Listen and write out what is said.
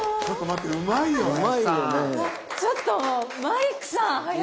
ちょっとマリックさん。